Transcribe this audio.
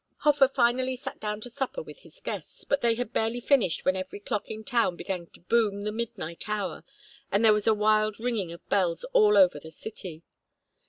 Hofer finally sat down to supper with his guests, but they had barely finished when every clock in town began to boom the midnight hour and there was a wild ringing of bells all over the city.